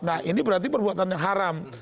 nah ini berarti perbuatan yang haram